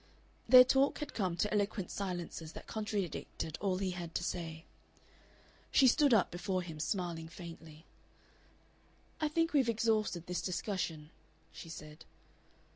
Their talk had come to eloquent silences that contradicted all he had to say. She stood up before him, smiling faintly. "I think we've exhausted this discussion," she said.